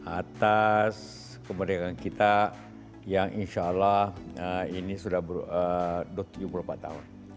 atas kemerdekaan kita yang insya allah ini sudah tujuh puluh empat tahun